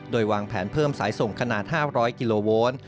โดยวางแผนเพิ่มสายส่งขนาด๕๐๐กิโลโวลต์